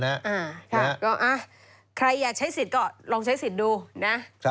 ครับใครอยากใช้สิทธิ์ก็ลองใช้สิทธิ์ดูนะ